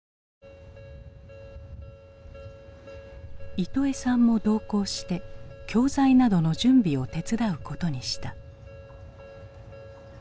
イトエさんも同行して教材などの準備を手伝うことにした。